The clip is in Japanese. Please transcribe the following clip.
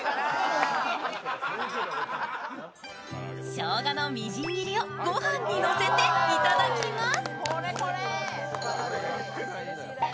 しょうがのみじんぎりをご飯にのせていただきます。